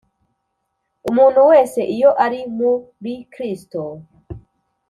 Umuntu wese iyo ari muri Kristo,